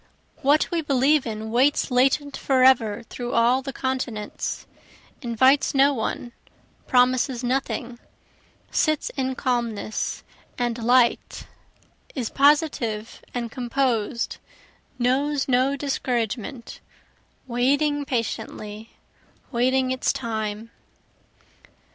What we believe in waits latent forever through all the continents, Invites no one, promises nothing, sits in calmness and light, is positive and composed, knows no discouragement, Waiting patiently, waiting its time.